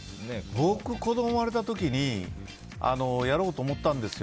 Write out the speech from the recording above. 僕、子供産まれた時にやろうと思ったんですよ。